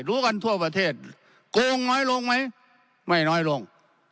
รู้กันทั่วประเทศโกงน้อยลงไหมไม่น้อยลง